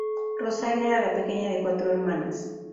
Rosario era la pequeña de cuatro hermanas.